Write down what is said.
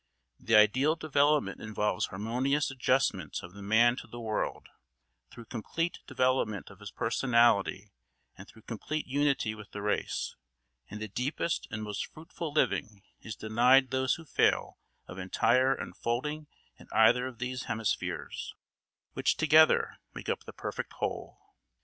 The ideal development involves harmonious adjustment of the man to the world, through complete development of his personality and through complete unity with the race; and the deepest and most fruitful living is denied those who fail of entire unfolding in either of these hemispheres, which together make up the perfect whole.